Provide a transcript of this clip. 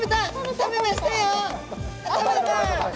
食べました！